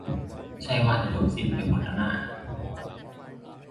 ใช่ว่าจะจบสิ้นไปหมดล่ะน่า